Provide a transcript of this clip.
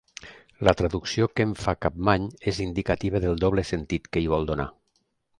La traducció que en fa Capmany és indicativa del doble sentit que hi vol donar.